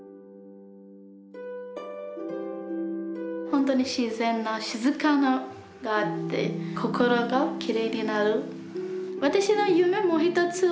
ほんとに自然な静かがあって心がきれいになる。